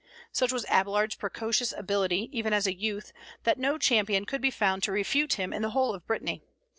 Such was Abélard's precocious ability, even as a youth, that no champion could be found to refute him in the whole of Brittany.